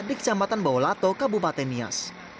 di kecamatan bawalato kabupaten nias